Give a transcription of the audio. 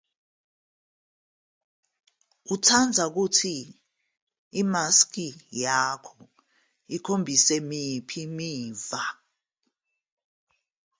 Uthanda ukuthi imaski yakho ikhombise miphi imizwa?